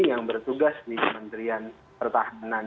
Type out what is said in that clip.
yang bertugas di kementerian pertahanan